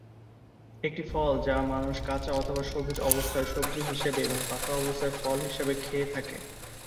একটি ফল যা মানুষ কাঁচা তথা সবুজ অবস্থায় সব্জি হিসেবে এবং পাকা অবস্থায় ফল হিসাবে খেয়ে থাকে।